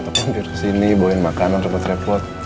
tepang duduk sini bawain makanan repot repot